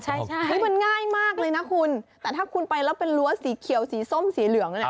ใช่นี่มันง่ายมากเลยนะคุณแต่ถ้าคุณไปแล้วเป็นรั้วสีเขียวสีส้มสีเหลืองเนี่ย